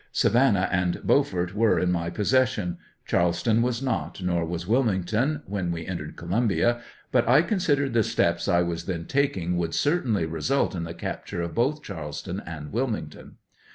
Savannah and Beaufort were in my possession ; Charleston was not, nor was Wilmington, when we entered Columbia, but I considered the steps I was then taking would certainly result in the capture of both Charleston and Wilmington.